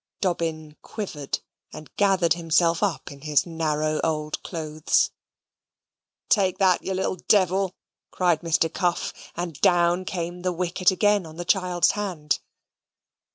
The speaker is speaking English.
Dobbin quivered, and gathered himself up in his narrow old clothes. "Take that, you little devil!" cried Mr. Cuff, and down came the wicket again on the child's hand.